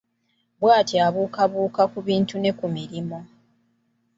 Bw'atyo abuukabuuka ku bintu ne ku mirimo.